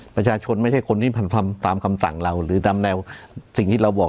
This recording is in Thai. ประชาชนไม่ใช่คนที่ทำตามคำสั่งเราหรือตามแนวสิ่งที่เราบอก